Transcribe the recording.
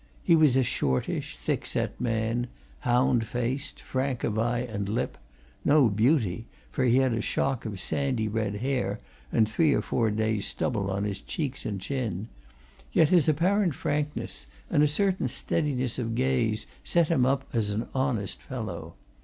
He was a shortish, thick set man, hound faced, frank of eye and lip; no beauty, for he had a shock of sandy red hair and three or four days' stubble on his cheeks and chin; yet his apparent frankness and a certain steadiness of gaze set him up as an honest fellow.